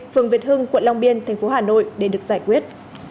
phường việt hưng quận long biên tp hà nội để được giải quyết